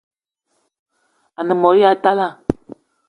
A-ne mot ya talla